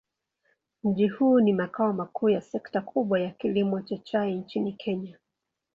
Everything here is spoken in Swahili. Mji huu ni makao makuu ya sekta kubwa ya kilimo cha chai nchini Kenya.